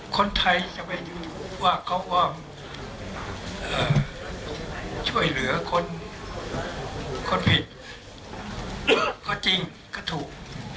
คนผิดก็จริงก็ถูก